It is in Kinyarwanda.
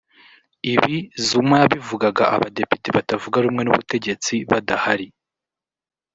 Ibi Zuma yabivugaga abadepite batavuga rumwe n’ubutegetsi badahari